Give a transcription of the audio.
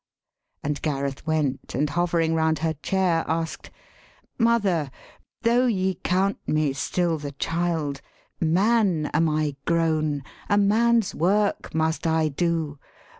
And Gareth went, and hovering round her chair Ask'd, ' Mother, tho' ye count me still the child, Man am I grown, a man's work must I do.